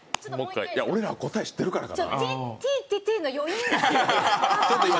俺ら答え知ってるからやな。